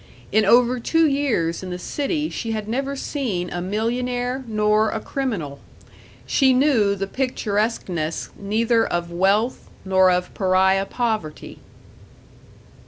In over two years in the city she had never seen a millionaire nor a criminal; she knew the picturesqueness neither of wealth nor of pariah poverty.